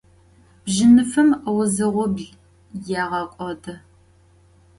Bjınıfım vuzığuibl yêğek'odı.